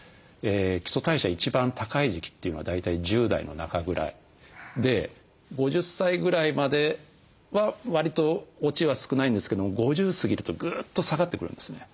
基礎代謝一番高い時期というのは大体１０代の中ぐらいで５０歳ぐらいまではわりと落ちは少ないんですけども５０過ぎるとぐっと下がってくるんですね。